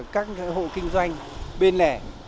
các hộ kinh doanh bên lẻ